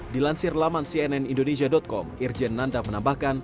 dilansir laman cnn indonesia com irjen nanda menambahkan